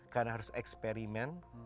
karena harus eksperimen